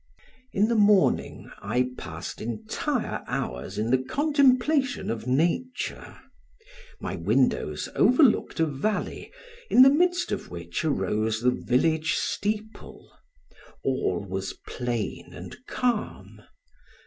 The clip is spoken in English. In the morning, I passed entire hours in the contemplation of nature. My windows overlooked a valley in the midst of which arose the village steeple; all was plain and calm.